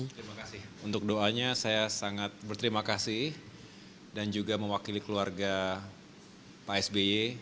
terima kasih untuk doanya saya sangat berterima kasih dan juga mewakili keluarga pak sby